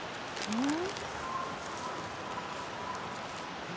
うん。